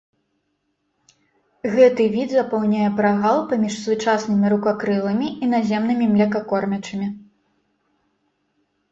Гэты від запаўняе прагал паміж сучаснымі рукакрылымі і наземнымі млекакормячымі.